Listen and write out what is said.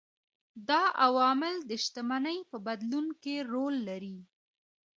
دا عوامل د شتمنۍ په بدلون کې رول لري.